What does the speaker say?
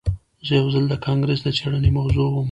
زه یو ځل د کانګرس د څیړنې موضوع وم